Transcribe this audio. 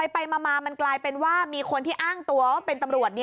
ไปมามันกลายเป็นว่ามีคนที่อ้างตัวว่าเป็นตำรวจ